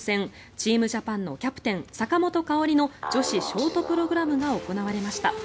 チームジャパンのキャプテン坂本花織の女子ショートプログラムが行われました。